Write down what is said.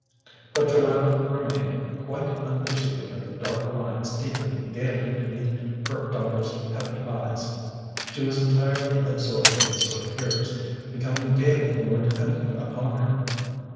But Joanna remained quite unperceiving of the dark lines deepening daily beneath her daughter's heavy eyes. She was entirely absorbed in Sir Piers, becoming daily more dependent upon her.